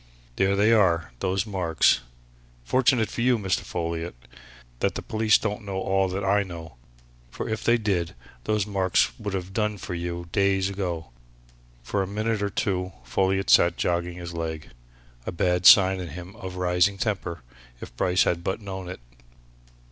There they are, those marks! Fortunate for you, Mr. Folliot, that the police don't know all that I know, for if they did, those marks would have done for you days ago!" For a minute or two Folliot sat joggling his leg a bad sign in him of rising temper if Bryce had but known it.